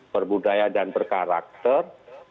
berbudaya dan berkarakter